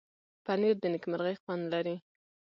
پنېر د نېکمرغۍ خوند لري.